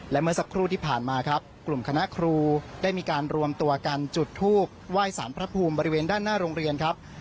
และเมื่อสักครู่ที่ผ่านมาครับกลุ่มคณะครูได้มีการรวมตัวกันจุดทูบไหว้สารพระภูมิบริเวณด้านหน้าโรงเรียนครับ